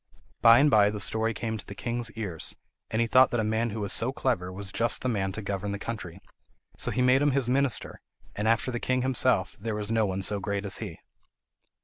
By and by the story came to the king's ears, and he thought that a man who was so clever was just the man to govern the country; so he made him his minister, and after the king himself there was no one so great as he.